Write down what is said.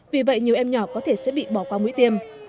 vì vậy nhiều em nhỏ có thể sẽ bị bỏ qua mũi tiêm